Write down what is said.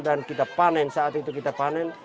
kita panen saat itu kita panen